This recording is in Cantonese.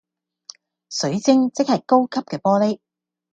水晶即係高級嘅玻璃